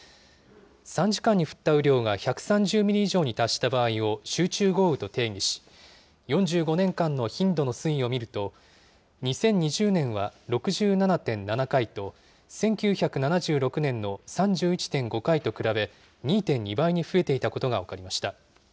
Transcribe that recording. ３時間に降った雨量が１３０ミリ以上に達した場合を集中豪雨と定義し、４５年間の頻度の推移を見ると、２０２０年は６７．７回と、１９７６年の３１．５回と比べ、２．２倍に増えていたことが分かりました。